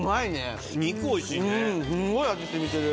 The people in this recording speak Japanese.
すごい味染みてる。